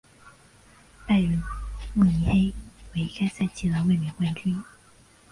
拜仁慕尼黑为该赛季的卫冕冠军。